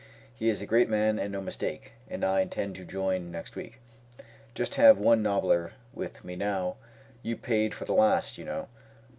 He is a great man and no mistake; and I intend to join next week. Just have one nobbler with me now; you paid for the last, you know.